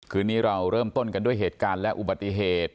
คืนนี้เราเริ่มต้นกันด้วยเหตุการณ์และอุบัติเหตุ